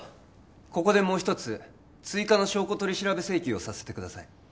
ここでもう一つ追加の証拠取調べ請求をさせてください